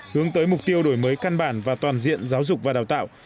hướng tới mục tiêu đổi mới căn bản và toàn diện giáo dục và đào tạo